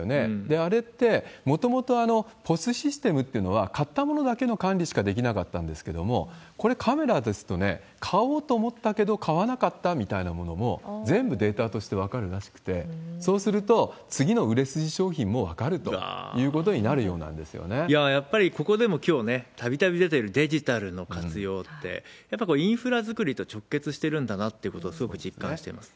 あれって、もともとＰＯＳシステムっていうのは買ったものだけの管理しかできなかったんですけれども、これ、カメラですとね、買おうと思ったけど買わなかったみたいなものも、全部データとして分かるらしくって、そうすると、次の売れ筋商品も分かるというこいやー、やっぱりここでもきょうね、たびたび出ているデジタルの活用って、やっぱりインフラ作りと直結してるんだなってことをすごく実感しています。